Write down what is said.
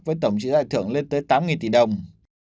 với tổng trị giải thưởng lên tới tám tỷ đồng